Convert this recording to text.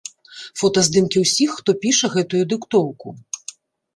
Фотаздымкі ўсіх, хто піша гэтую дыктоўку.